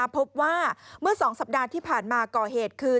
พบว่าเมื่อ๒สัปดาห์ที่ผ่านมาก่อเหตุคือ